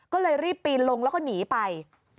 ก็เลยรีบปีนลงแล้วก็หนีไป